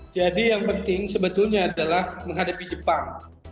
jadi yang penting sebetulnya adalah menghadapi jepang